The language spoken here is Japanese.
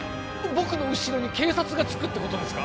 僕の後ろに警察がつくってことなんですか？